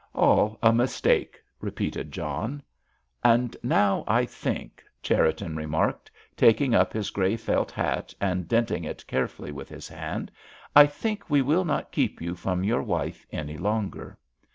"All a mistake," repeated John. "And now, I think," Cherriton remarked, taking up his grey felt hat and denting it carefully with his hand, "I think we will not keep you from your wife any longer."